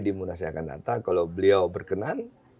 dimunasihakan datang kalau beliau berkenan